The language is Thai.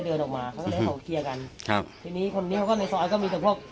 อืม